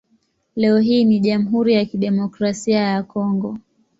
Leo hii ni Jamhuri ya Kidemokrasia ya Kongo.